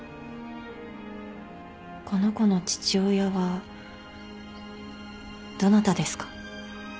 この子の父親はどなたですか？